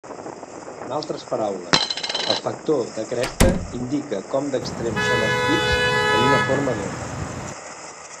En altres paraules, el factor de cresta indica com d'extrems són els pics en una forma d'ona.